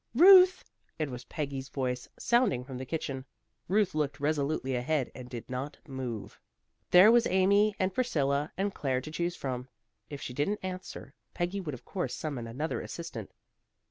"Ruth!" It was Peggy's voice sounding from the kitchen. Ruth looked resolutely ahead, and did not move. There was Amy and Priscilla and Claire to choose from. If she didn't answer, Peggy would of course summon another assistant.